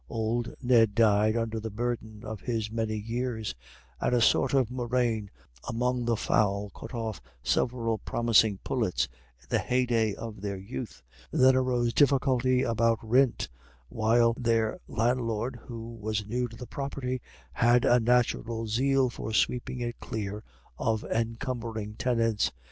Old Ned died under the burden of his many years, and a sort of murrain among the fowl cut off several promising pullets in the heyday of their youth. Then arose difficulties about "rint," while their landlord, who was new to the property, had a natural zeal for sweeping it clear of encumbering tenants.